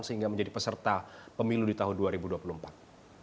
sehingga menjadi peserta pemilu di tahun dua ribu dua puluh empat